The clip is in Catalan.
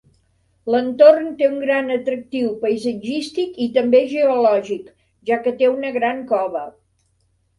L'entorn té un gran atractiu paisatgístic i també geològic, ja que té una gran cova.